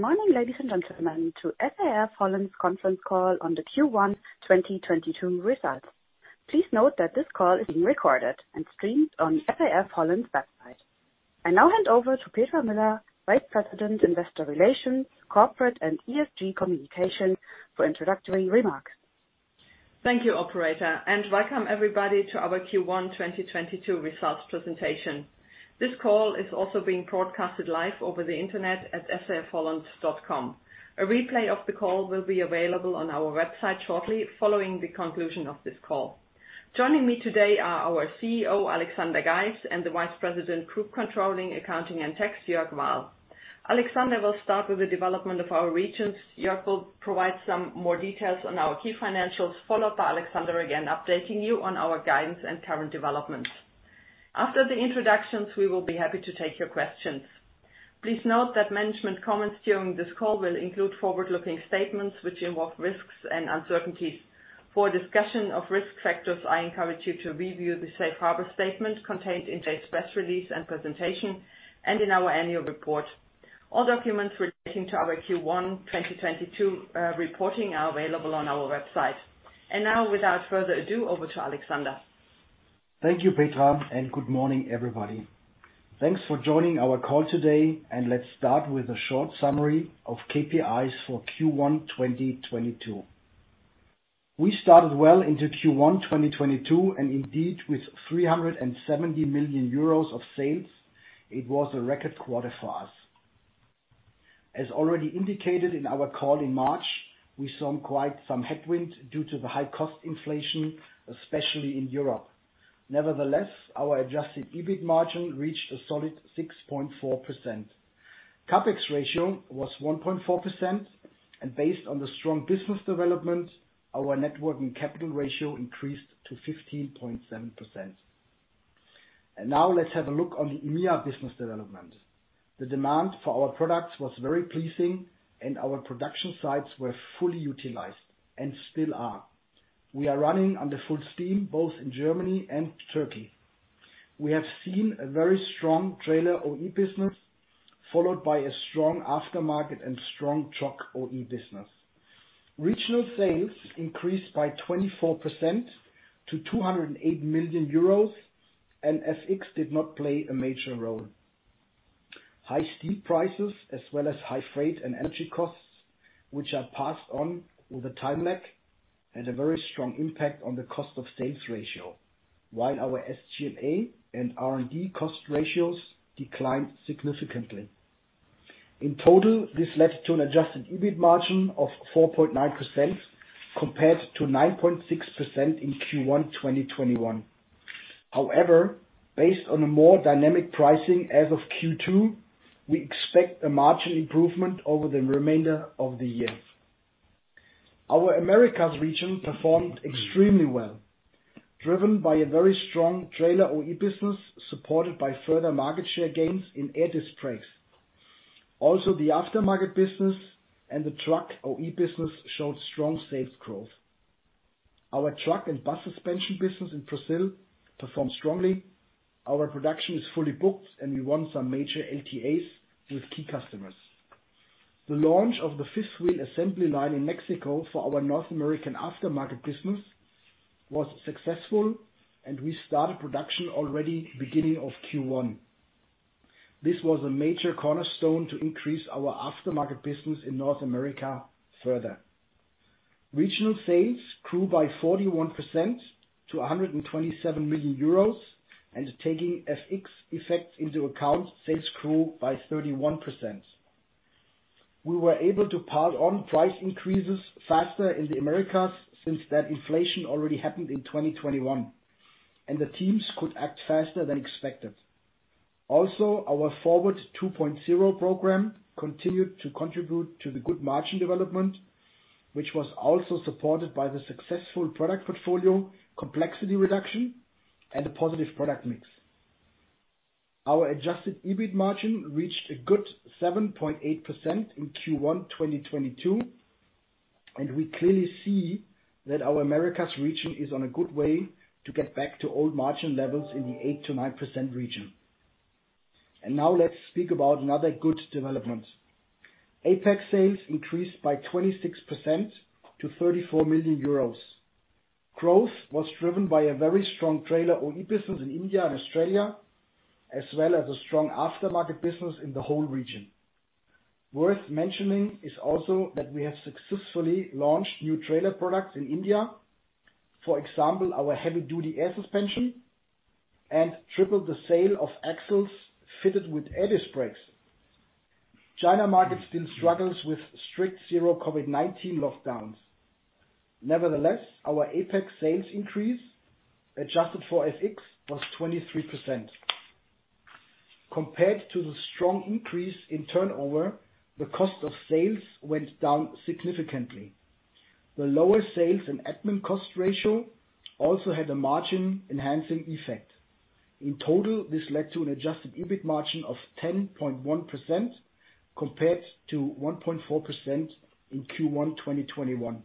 Good morning, ladies and gentlemen, to SAF-Holland's conference call on the Q1 2022 results. Please note that this call is being recorded and streamed on SAF-Holland's website. I now hand over to Petra Müller, Vice President, Investor Relations, Corporate, and ESG Communications for introductory remarks. Thank you, operator, and welcome everybody to our Q1 2022 results presentation. This call is also being broadcasted live over the internet at saf-holland.com. A replay of the call will be available on our website shortly following the conclusion of this call. Joining me today are our CEO, Alexander Geis, and the Vice President, Group Accounting, Controlling, and Tax, Jörg Wahl. Alexander will start with the development of our regions. Jörg will provide some more details on our key financials, followed by Alexander again, updating you on our guidance and current developments. After the introductions, we will be happy to take your questions. Please note that management comments during this call will include forward-looking statements which involve risks and uncertainties. For a discussion of risk factors, I encourage you to review the safe harbor statement contained in today's press release and presentation, and in our annual report. All documents relating to our Q1 2022 reporting are available on our website. Now without further ado, over to Alexander. Thank you, Petra, and good morning, everybody. Thanks for joining our call today, and let's start with a short summary of KPIs for Q1 2022. We started well into Q1 2022, and indeed with 370 million euros of sales, it was a record quarter for us. As already indicated in our call in March, we saw quite some headwind due to the high cost inflation, especially in Europe. Nevertheless, our adjusted EBIT margin reached a solid 6.4%. CapEx ratio was 1.4%, and based on the strong business development, our net working capital ratio increased to 15.7%. Now let's have a look on the EMEA business development. The demand for our products was very pleasing and our production sites were fully utilized and still are. We are running under full steam, both in Germany and Turkey. We have seen a very strong trailer OE business, followed by a strong aftermarket and strong truck OE business. Regional sales increased by 24% to 208 million euros, and FX did not play a major role. High steel prices as well as high freight and energy costs, which are passed on with a time lag, had a very strong impact on the cost of sales ratio, while our SG&A and R&D cost ratios declined significantly. In total, this led to an adjusted EBIT margin of 4.9% compared to 9.6% in Q1 2021. However, based on a more dynamic pricing as of Q2, we expect a margin improvement over the remainder of the year. Our Americas region performed extremely well, driven by a very strong trailer OE business, supported by further market share gains in ADES Trax. Also, the aftermarket business and the truck OE business showed strong sales growth. Our truck and bus suspension business in Brazil performed strongly. Our production is fully booked, and we won some major LTAs with key customers. The launch of the fifth wheel assembly line in Mexico for our North American aftermarket business was successful, and we started production already beginning of Q1. This was a major cornerstone to increase our aftermarket business in North America further. Regional sales grew by 41% to 127 million euros, and taking FX effects into account, sales grew by 31%. We were able to pass on price increases faster in the Americas since that inflation already happened in 2021, and the teams could act faster than expected. Also, our FORWARD 2.0 program continued to contribute to the good margin development, which was also supported by the successful product portfolio, complexity reduction, and a positive product mix. Our adjusted EBIT margin reached a good 7.8% in Q1 2022, and we clearly see that our Americas region is on a good way to get back to old margin levels in the 8%-9% region. Now let's speak about another good development. APAC sales increased by 26% to 34 million euros. Growth was driven by a very strong trailer OE business in India and Australia, as well as a strong aftermarket business in the whole region. Worth mentioning is also that we have successfully launched new trailer products in India, for example, our heavy duty air suspension and tripled the sale of axles fitted with ADB brakes. China market still struggles with strict zero COVID-19 lockdowns. Nevertheless, our APAC sales increase, adjusted for FX, was 23%. Compared to the strong increase in turnover, the cost of sales went down significantly. The lower sales and admin cost ratio also had a margin-enhancing effect. In total, this led to an adjusted EBIT margin of 10.1% compared to 1.4% in Q1 2021.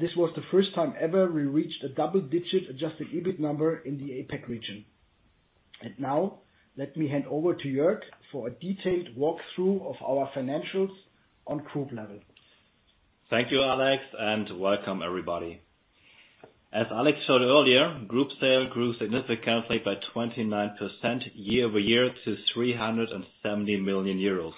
This was the first time ever we reached a double-digit adjusted EBIT number in the APAC region. Now let me hand over to Jörg for a detailed walkthrough of our financials on group level. Thank you, Alex, and welcome everybody. As Alex showed earlier, Group sales grew significantly by 29% year-over-year to 370 million euros.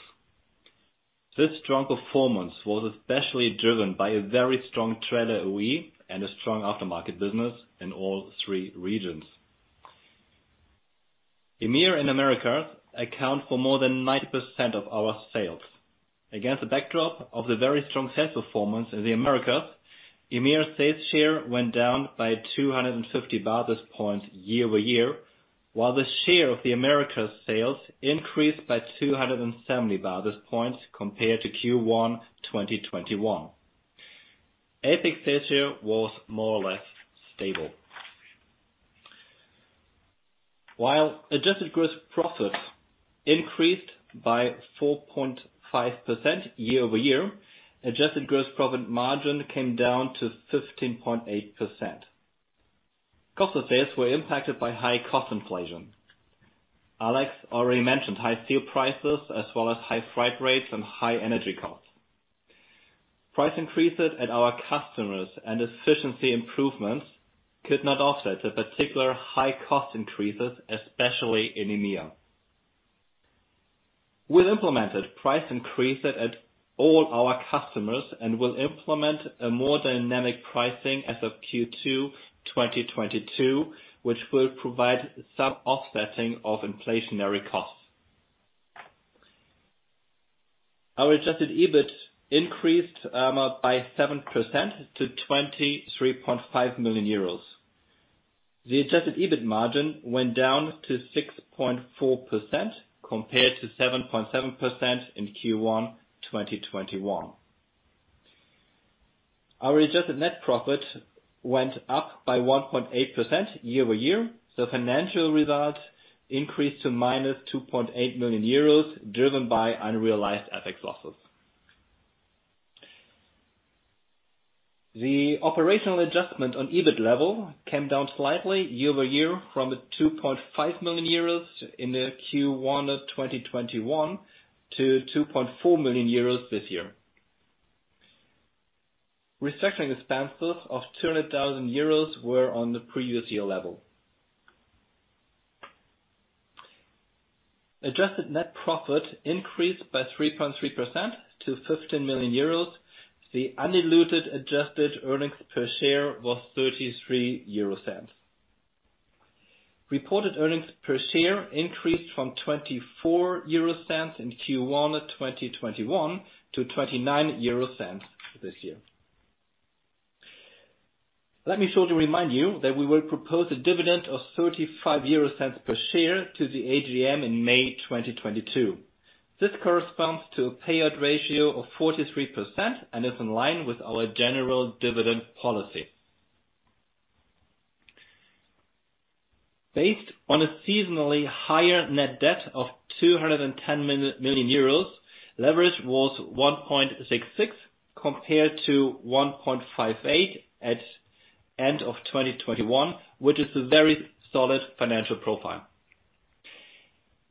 This strong performance was especially driven by a very strong trailer OE and a strong aftermarket business in all three regions. EMEA and Americas account for more than 90% of our sales. Against the backdrop of the very strong sales performance in the Americas, EMEA sales share went down by 250 basis points year-over-year, while the share of the Americas sales increased by 270 basis points compared to Q1 2021. APAC sales share was more or less stable. While adjusted gross profit increased by 4.5% year-over-year, adjusted gross profit margin came down to 15.8%. Cost of sales were impacted by high cost inflation. Alex already mentioned high steel prices as well as high freight rates and high energy costs. Price increases at our customers and efficiency improvements could not offset the particular high cost increases, especially in EMEA. We implemented price increases at all our customers and will implement a more dynamic pricing as of Q2 2022, which will provide some offsetting of inflationary costs. Our adjusted EBIT increased by 7% to 23.5 million euros. The adjusted EBIT margin went down to 6.4% compared to 7.7% in Q1 2021. Our adjusted net profit went up by 1.8% year-over-year. Financial results increased to -2.8 million euros, driven by unrealized FX losses. The operational adjustment on EBIT level came down slightly year-over-year from 2.5 million euros in Q1 2021 to 2.4 million euros this year. Restructuring expenses of 200 thousand euros were on the previous year level. Adjusted net profit increased by 3.3% to 15 million euros. The undiluted adjusted earnings per share was 0.33. Reported earnings per share increased from 0.24 in Q1 2021 to 0.29 this year. Let me shortly remind you that we will propose a dividend of 0.35 per share to the AGM in May 2022. This corresponds to a payout ratio of 43% and is in line with our general dividend policy. Based on a seasonally higher net debt of 210 million euros, leverage was 1.66 compared to 1.58 at end of 2021, which is a very solid financial profile.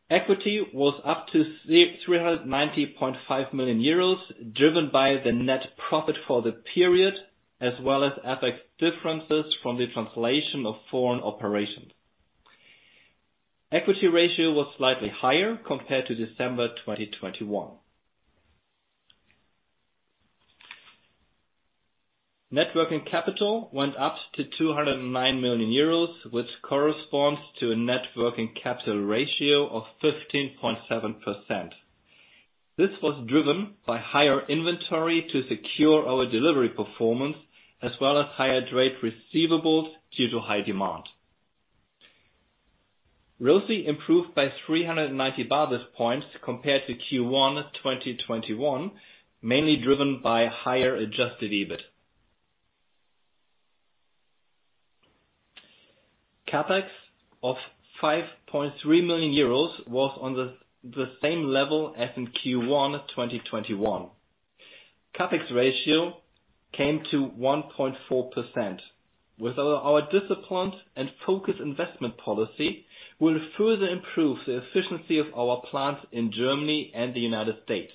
Equity was up to 390.5 million euros, driven by the net profit for the period as well as FX differences from the translation of foreign operations. Equity ratio was slightly higher compared to December 2021. Net working capital went up to 209 million euros, which corresponds to a net working capital ratio of 15.7%. This was driven by higher inventory to secure our delivery performance, as well as higher trade receivables due to high demand. ROCE improved by 390 basis points compared to Q1 2021, mainly driven by higher adjusted EBIT. CapEx of 5.3 million euros was on the same level as in Q1 2021. CapEx ratio came to 1.4%. With our disciplined and focused investment policy, we'll further improve the efficiency of our plants in Germany and the United States.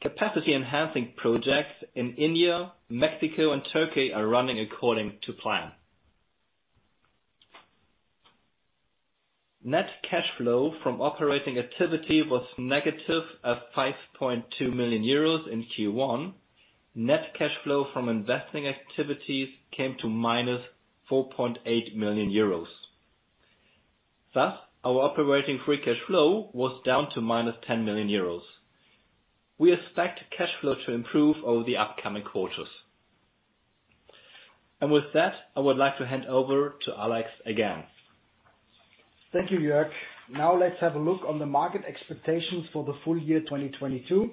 Capacity enhancing projects in India, Mexico and Turkey are running according to plan. Net cash flow from operating activity was negative at 5.2 million euros in Q1. Net cash flow from investing activities came to -4.8 million euros. Thus, our operating free cash flow was down to -10 million euros. We expect cash flow to improve over the upcoming quarters. With that, I would like to hand over to Alex again. Thank you, Jörg. Now let's have a look on the market expectations for the full year, 2022.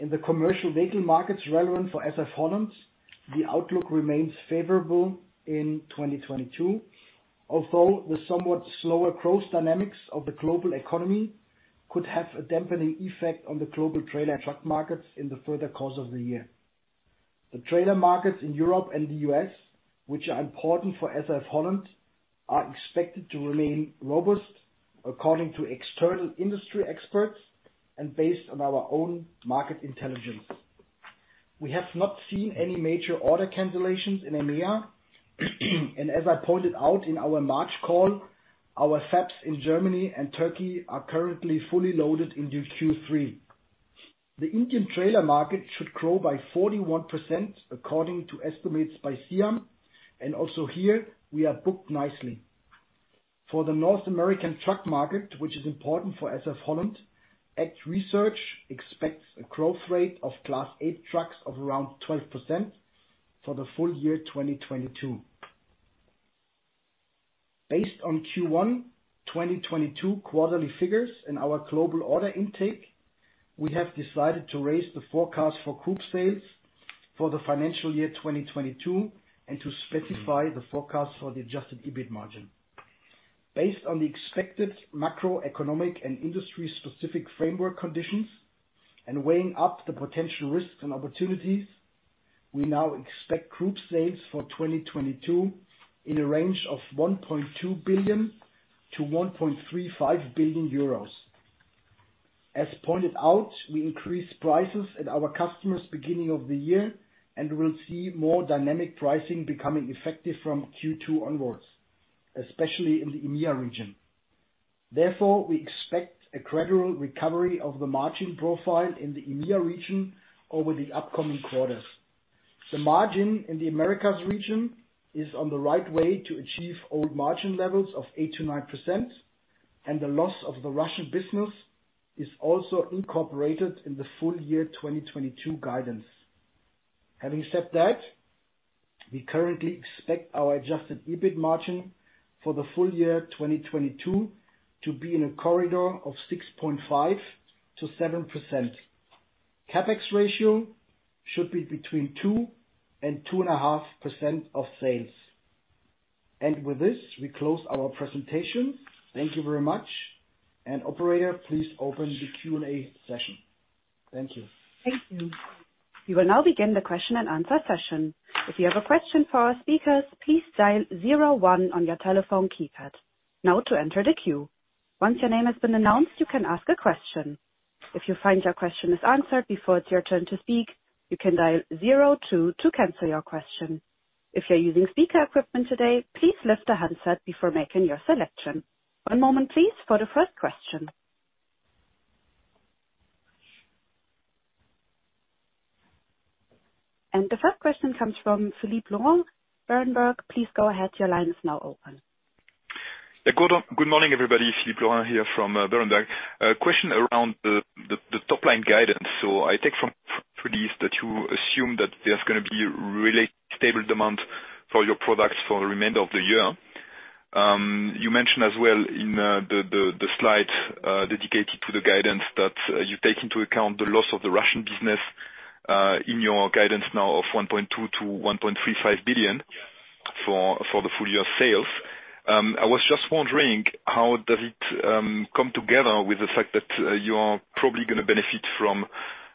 In the commercial vehicle markets relevant for SAF-Holland, the outlook remains favorable in 2022, although the somewhat slower growth dynamics of the global economy could have a dampening effect on the global trailer and truck markets in the further course of the year. The trailer markets in Europe and the U.S., which are important for SAF-Holland, are expected to remain robust according to external industry experts and based on our own market intelligence. We have not seen any major order cancellations in EMEA. As I pointed out in our March call, our fab in Germany and Turkey are currently fully loaded into Q3. The Indian trailer market should grow by 41% according to estimates by SIAM, and also here we are booked nicely. For the North American truck market, which is important for SAF-Holland, ACT Research expects a growth rate of Class 8 trucks of around 12% for the full year, 2022. Based on Q1 2022 quarterly figures in our global order intake, we have decided to raise the forecast for group sales for the financial year 2022 and to specify the forecast for the adjusted EBIT margin. Based on the expected macroeconomic and industry-specific framework conditions and weighing up the potential risks and opportunities, we now expect group sales for 2022 in a range of 1.2 billion-1.35 billion euros. As pointed out, we increase prices at our customers beginning of the year and will see more dynamic pricing becoming effective from Q2 onwards, especially in the EMEA region. Therefore, we expect a gradual recovery of the margin profile in the EMEA region over the upcoming quarters. The margin in the Americas region is on the right way to achieve old margin levels of 8%-9%, and the loss of the Russian business is also incorporated in the full year, 2022 guidance. Having said that, we currently expect our adjusted EBIT margin for the full year, 2022, to be in a corridor of 6.5%-7%. CapEx ratio should be between 2%-2.5% of sales. With this, we close our presentation. Thank you very much. Operator, please open the Q&A session. Thank you. Thank you. We will now begin the question and answer session. If you have a question for our speakers, please dial zero one on your telephone keypad now to enter the queue. Once your name has been announced, you can ask a question. If you find your question is answered before it's your turn to speak, you can dial zero two to cancel your question. If you're using speaker equipment today, please lift the handset before making your selection. One moment, please, for the first question. The first question comes from Philippe Lorrain, Berenberg. Please go ahead. Your line is now open. Good morning, everybody. Philippe Lorrain here from Berenberg. A question around the top line guidance. I take from this that you assume that there's gonna be really stable demand for your products for the remainder of the year. You mentioned as well in the slide dedicated to the guidance that you take into account the loss of the Russian business in your guidance now of 1.2 billion-1.35 billion for the full year sales. I was just wondering how does it come together with the fact that you are probably gonna benefit from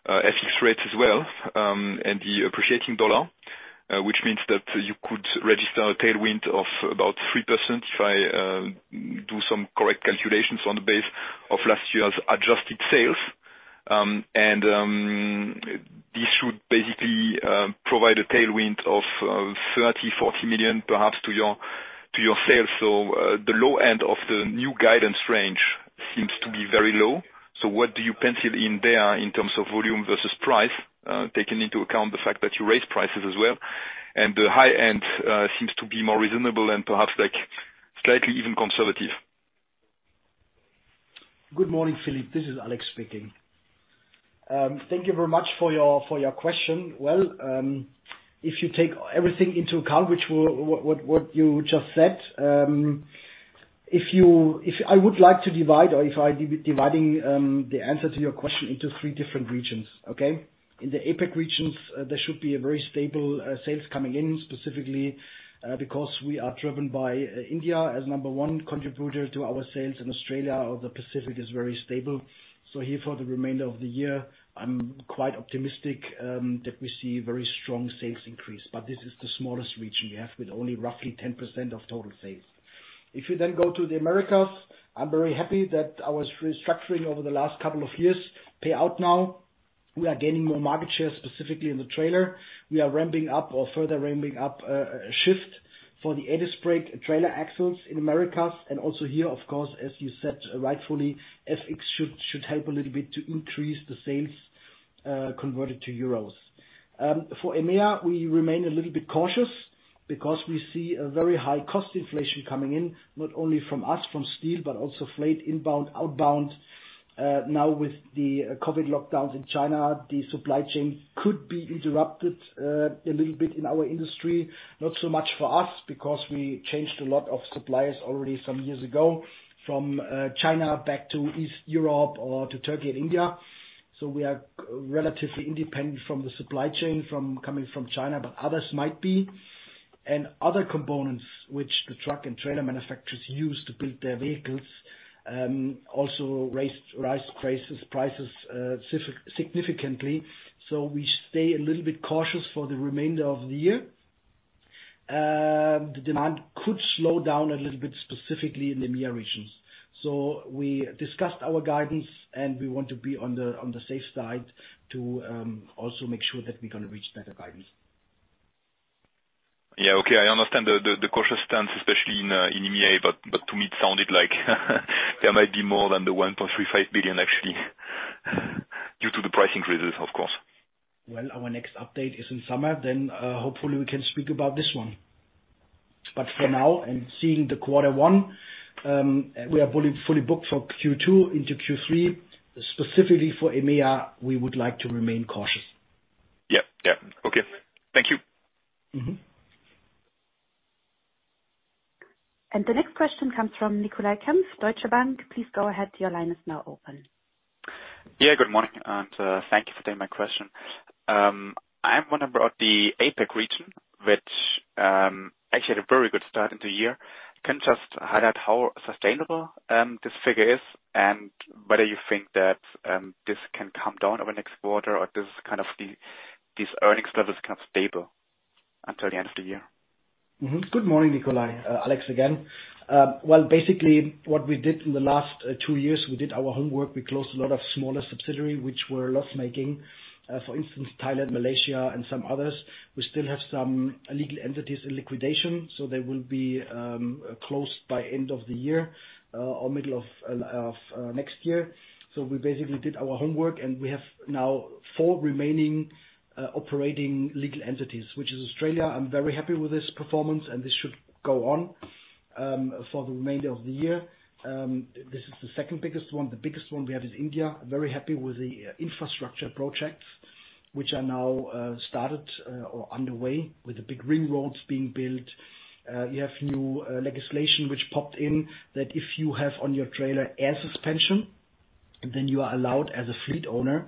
FX rates as well and the appreciating dollar which means that you could register a tailwind of about 3% if I do some correct calculations on the basis of last year's adjusted sales. This should basically provide a tailwind of 30-40 million perhaps to your sales. The low end of the new guidance range seems to be very low. What do you pencil in there in terms of volume versus price, taking into account the fact that you raise prices as well? The high end seems to be more reasonable and perhaps, like, slightly even conservative. Good morning, Philippe. This is Alex speaking. Thank you very much for your question. If you take everything into account, which what you just said, I would like to divide the answer to your question into three different regions. Okay? In the APAC regions, there should be a very stable sales coming in specifically because we are driven by India as number one contributor to our sales in Australia, or the Pacific is very stable. Here for the remainder of the year, I'm quite optimistic that we see very strong sales increase. This is the smallest region we have with only roughly 10% of total sales. If you then go to the Americas, I'm very happy that our restructuring over the last couple of years pay out now. We are gaining more market share, specifically in the trailer. We are ramping up or further ramping up a shift for the disc brake trailer axles in Americas. Also here of course, as you said rightfully, FX should help a little bit to increase the sales converted to euros. For EMEA, we remain a little bit cautious because we see a very high cost inflation coming in, not only from steel, but also freight inbound, outbound. Now with the COVID lockdowns in China, the supply chain could be interrupted a little bit in our industry. Not so much for us because we changed a lot of suppliers already some years ago from China back to East Europe or to Turkey and India. We are relatively independent from the supply chain from coming from China, but others might be. Other components which the truck and trailer manufacturers use to build their vehicles also rise prices significantly. We stay a little bit cautious for the remainder of the year. The demand could slow down a little bit, specifically in the EMEA regions. We discussed our guidance, and we want to be on the safe side to also make sure that we're gonna reach that guidance. Yeah. Okay. I understand the cautious stance, especially in EMEA, but to me it sounded like there might be more than the 1.35 billion actually due to the price increases, of course. Well, our next update is in summer then, hopefully, we can speak about this one. For now and seeing the quarter one, we are fully booked for Q2 into Q3. Specifically for EMEA, we would like to remain cautious. Yep. Okay. Thank you. Mm-hmm. The next question comes from Nicolai Kempf, Deutsche Bank. Please go ahead. Your line is now open. Yeah, good morning, and thank you for taking my question. I want to bring up the APAC region, which actually had a very good start in the year. Can you just highlight how sustainable this figure is and whether you think that this can come down over next quarter or these earnings levels become stable until the end of the year? Good morning, Nicolai. Alex again. Basically what we did in the last two years, we did our homework. We closed a lot of smaller subsidiary which were loss-making. For instance, Thailand, Malaysia, and some others. We still have some legal entities in liquidation, so they will be closed by end of the year or middle of next year. We basically did our homework, and we have now four remaining operating legal entities, which is Australia. I'm very happy with this performance, and this should go on for the remainder of the year. This is the second biggest one. The biggest one we have is India. Very happy with the infrastructure projects which are now started or underway with the big ring roads being built. You have new legislation which popped in that if you have on your trailer air suspension, then you are allowed as a fleet owner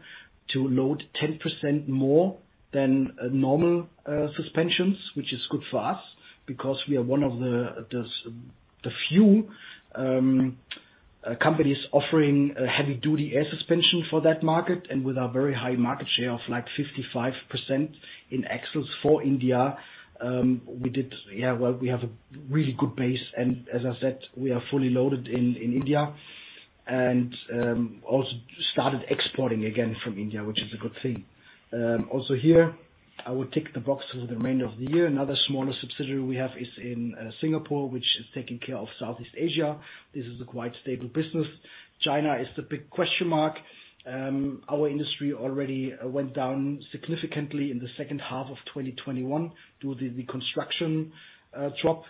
to load 10% more than normal suspensions, which is good for us because we are one of the few companies offering a heavy duty air suspension for that market. With our very high market share of, like, 55% in axles for India, we have a really good base, and as I said, we are fully loaded in India and also started exporting again from India, which is a good thing. Also here, I would tick the box for the remainder of the year. Another smaller subsidiary we have is in Singapore, which is taking care of Southeast Asia. This is a quite stable business. China is the big question mark. Our industry already went down significantly in the second half of 2021 due to the construction drop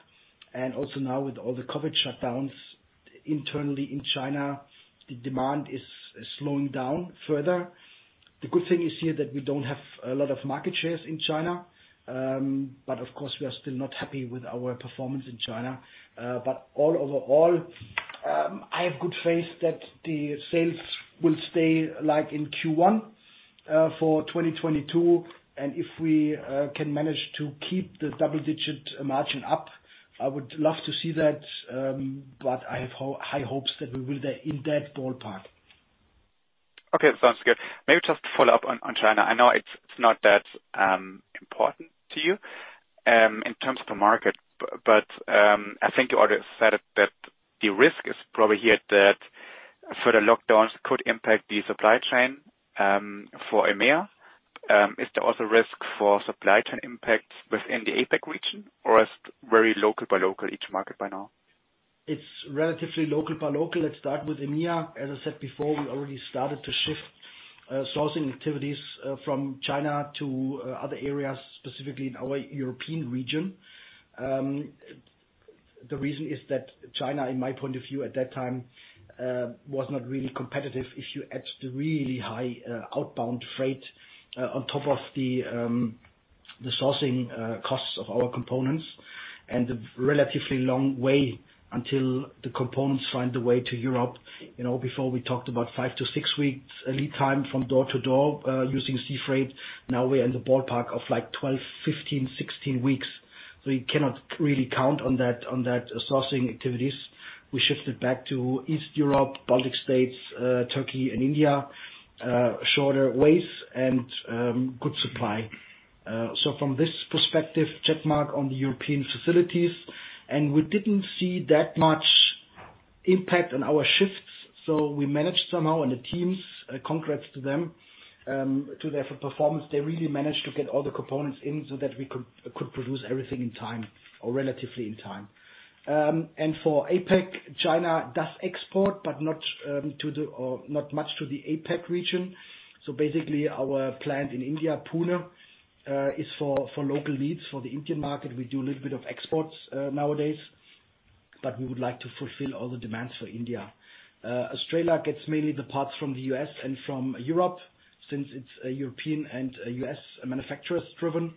and also now with all the COVID shutdowns internally in China, the demand is slowing down further. The good thing is here that we don't have a lot of market shares in China, but of course we are still not happy with our performance in China. All overall, I have good faith that the sales will stay like in Q1 for 2022, and if we can manage to keep the double digit margin up, I would love to see that. I have high hopes that we will be in that ballpark. Okay. Sounds good. Maybe just to follow up on China. I know it's not that important to you in terms of the market, but I think you already said that the risk is probably here that further lockdowns could impact the supply chain for EMEA. Is there also risk for supply chain impacts within the APAC region or is very local by local each market by now? It's relatively local by local. Let's start with EMEA. As I said before, we already started to shift sourcing activities from China to other areas, specifically in our European region. The reason is that China, in my point of view at that time, was not really competitive if you add the really high outbound freight on top of the sourcing costs of our components and the relatively long way until the components find their way to Europe. You know, before we talked about five-six weeks lead time from door to door using sea freight. Now we're in the ballpark of like 12, 15, 16 weeks. We cannot really count on that sourcing activities. We shifted back to East Europe, Baltic states, Turkey and India, shorter ways and good supply. From this perspective, check mark on the European facilities, and we didn't see that much impact on our shifts, so we managed somehow. The teams, congrats to them, to their performance. They really managed to get all the components in so that we could produce everything in time or relatively in time. For APAC, China does export, but not much to the APAC region. Basically our plant in India, Pune, is for local needs. For the Indian market, we do a little bit of exports, nowadays, but we would like to fulfill all the demands for India. Australia gets mainly the parts from the U.S. and from Europe since it's a European and a U.S. manufacturers driven.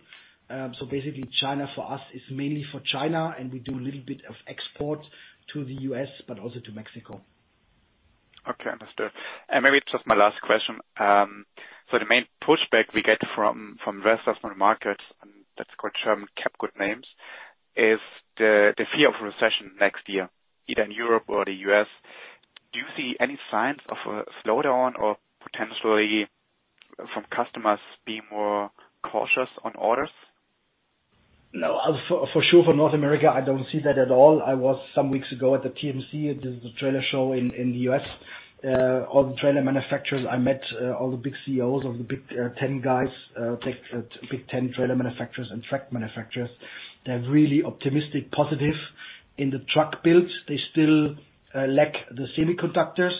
Basically China for us is mainly for China, and we do a little bit of export to the U.S. but also to Mexico. Okay, understood. Maybe just my last question. The main pushback we get from investors from the markets, and let's call German cap goods names, is the fear of recession next year, either in Europe or the U.S. Do you see any signs of a slowdown or potentially from customers being more cautious on orders? No. For sure for North America, I don't see that at all. I was some weeks ago at the TMC, the trailer show in the U.S. All the trailer manufacturers I met, all the big CEOs, all the Big Ten guys, Big Ten trailer manufacturers and truck manufacturers, they're really optimistic, positive. In the truck build, they still lack the semiconductors.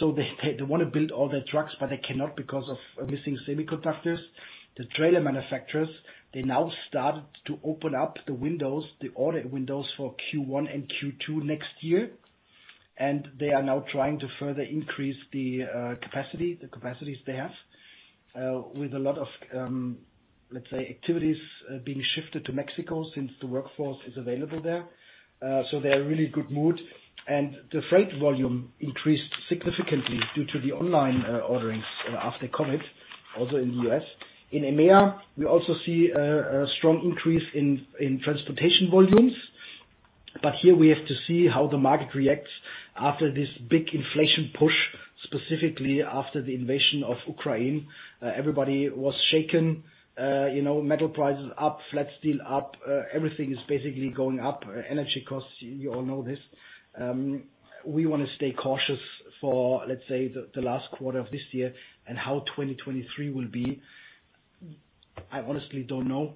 So they wanna build all their trucks, but they cannot because of missing semiconductors. The trailer manufacturers, they now start to open up the windows, the order windows for Q1 and Q2 next year. They are now trying to further increase the capacity, the capacities they have, with a lot of, let's say, activities being shifted to Mexico since the workforce is available there. So they're really good mood. Freight volume increased significantly due to the online ordering after COVID, also in the US. In EMEA, we also see a strong increase in transportation volumes. But here we have to see how the market reacts after this big inflation push, specifically after the invasion of Ukraine. Everybody was shaken. You know, metal prices up, flat steel up, everything is basically going up. Energy costs, you all know this. We wanna stay cautious for, let's say, the last quarter of this year and how 2023 will be. I honestly don't know.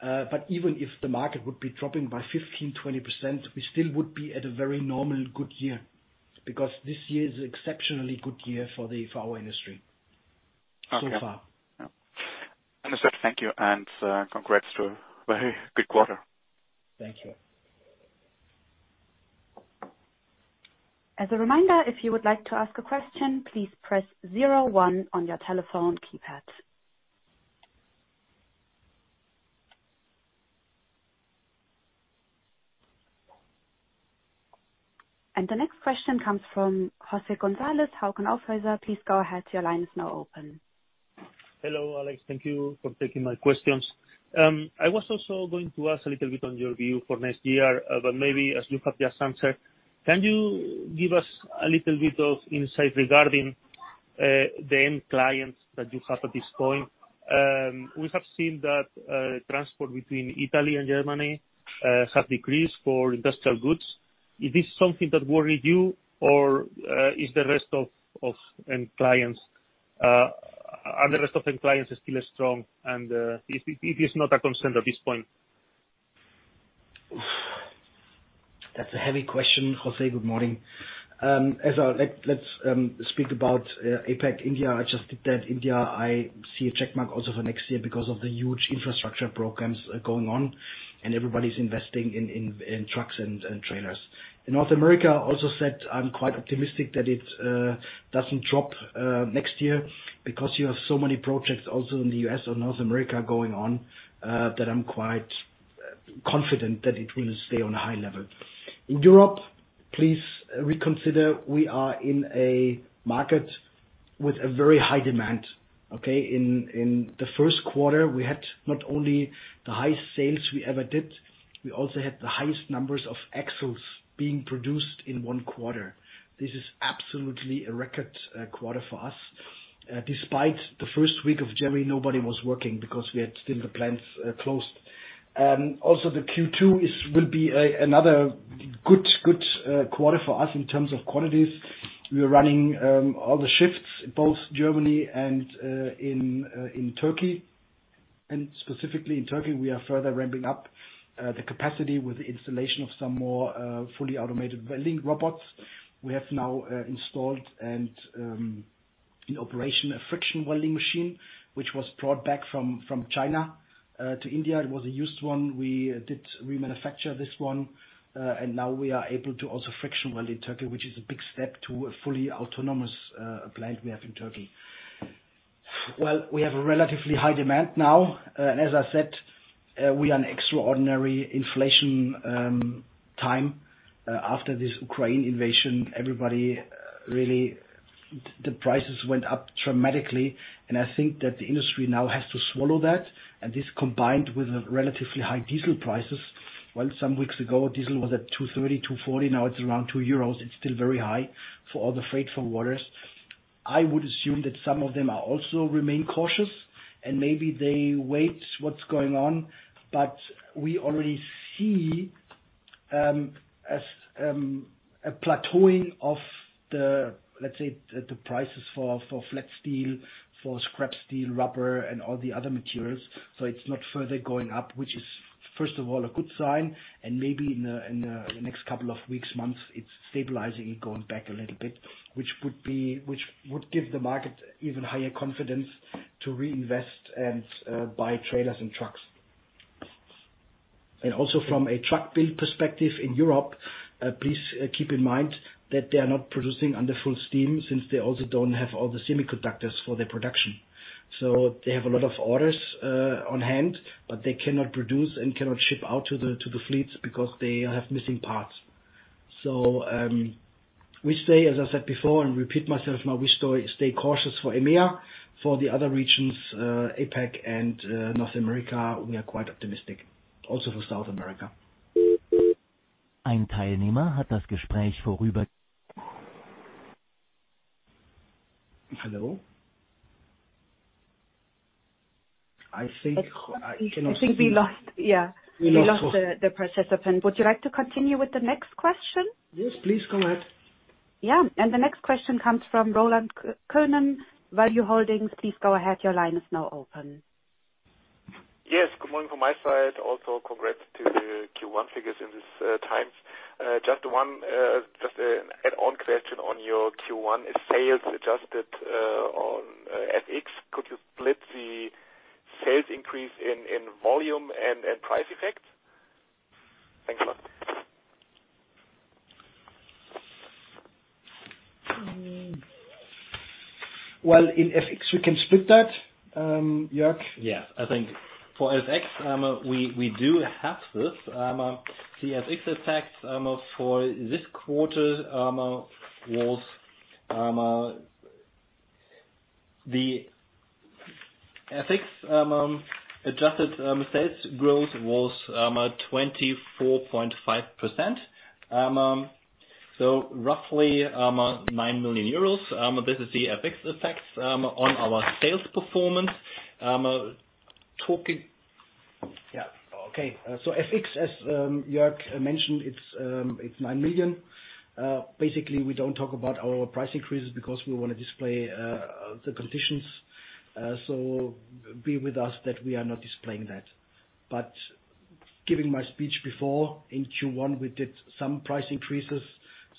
But even if the market would be dropping by 15%-20%, we still would be at a very normal good year because this year is exceptionally good year for our industry so far. Understood. Thank you, and, congrats to a very good quarter. Thank you. As a reminder, if you would like to ask a question, please press zero-one on your telephone keypad. The next question comes from Jorge González Sadornil, Hauck & Aufhäuser. Please go ahead. Your line is now open. Hello, Alex. Thank you for taking my questions. I was also going to ask a little bit on your view for next year, but maybe as you have just answered, can you give us a little bit of insight regarding the end clients that you have at this point? We have seen that transport between Italy and Germany have decreased for industrial goods. Is this something that worry you or are the rest of end clients still strong and it is not a concern at this point? That's a heavy question, Jorge. Good morning. Let's speak about APAC India. I just did that. India, I see a check mark also for next year because of the huge infrastructure programs going on, and everybody's investing in trucks and trailers. In North America, I also said I'm quite optimistic that it doesn't drop next year because you have so many projects also in the US or North America going on, that I'm quite confident that it will stay on a high level. In Europe, please reconsider, we are in a market with a very high demand, okay? In the first quarter, we had not only the highest sales we ever did, we also had the highest numbers of axles being produced in one quarter. This is absolutely a record quarter for us. Despite the first week of January, nobody was working because we had still the plants closed. Also the Q2 will be another good quarter for us in terms of quantities. We are running all the shifts, both in Germany and in Turkey. Specifically in Turkey, we are further ramping up the capacity with the installation of some more fully automated welding robots. We have now installed and in operation a friction welding machine, which was brought back from China to India. It was a used one. We did remanufacture this one, and now we are able to also friction weld in Turkey, which is a big step to a fully autonomous plant we have in Turkey. Well, we have a relatively high demand now. As I said, we are in extraordinary inflationary times after this Ukraine invasion. Everybody really. The prices went up dramatically, and I think that the industry now has to swallow that, and this combined with a relatively high diesel prices. Well, some weeks ago, diesel was at 2.30-2.40. Now it's around 2 euros. It's still very high for all the freight forwarders. I would assume that some of them are also remaining cautious and maybe they wait what's going on. We already see a plateauing of the, let's say, prices for flat steel, for scrap steel, rubber and all the other materials. It's not further going up, which is, first of all, a good sign. Maybe in the next couple of weeks, months, it's stabilizing and going back a little bit, which would give the market even higher confidence to reinvest and buy trailers and trucks. Also from a truck build perspective in Europe, please keep in mind that they are not producing under full steam since they also don't have all the semiconductors for their production. They have a lot of orders on hand, but they cannot produce and cannot ship out to the fleets because they have missing parts. We say, as I said before and repeat myself now, we stay cautious for EMEA. For the other regions, APAC and North America, we are quite optimistic, also for South America. Hello? I think I cannot hear you. I think we lost. Yeah. We lost him. We lost the participant. Would you like to continue with the next question? Yes, please go ahead. Yeah. The next question comes from Roland Könen, Value-Holdings. Please go ahead. Your line is now open. Yes. Good morning from my side. Also, congrats to the Q1 figures in these times. Just an add-on question on your Q1. Is sales adjusted on FX? Could you split the sales increase in volume and price effect? Thanks a lot. Well, in FX we can split that. Jörg? Yeah. I think for FX, we do have this. The FX effect for this quarter was the FX adjusted sales growth was 24.5%. So roughly, 9 million euros. This is the FX effect on our sales performance. Yeah. Okay. FX, as Jörg mentioned, it's 9 million. Basically, we don't talk about our price increases because we wanna display the conditions. Bear with us that we are not displaying that. Giving my speech before, in Q1, we did some price increases.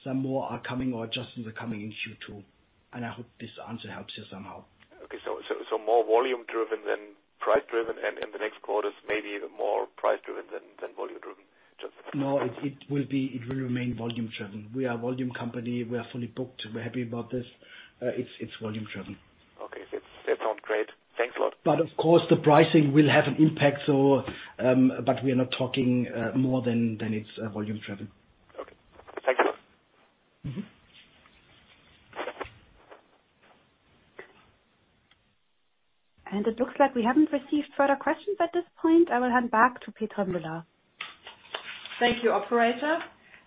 Some more are coming or adjusting the coming in Q2, and I hope this answer helps you somehow. Okay. More volume driven than price driven, and in the next quarters, maybe even more price driven than volume driven. No, it will remain volume driven. We are a volume company. We are fully booked. We're happy about this. It's volume driven. Okay. That sounds great. Thanks a lot. Of course the pricing will have an impact, so, but we are not talking more than it's volume driven. Okay. Thanks a lot. Mm-hmm. It looks like we haven't received further questions at this point. I will hand back to Petra Müller. Thank you, operator.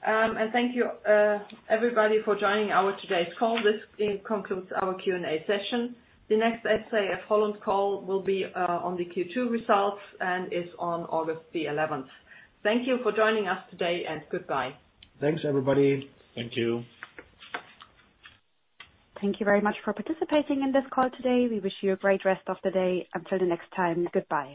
Thank you, everybody for joining our today's call. This concludes our Q&A session. The next SAF-Holland call will be on the Q2 results and is on August the eleventh. Thank you for joining us today, and goodbye. Thanks, everybody. Thank you. Thank you very much for participating in this call today. We wish you a great rest of the day. Until the next time, goodbye.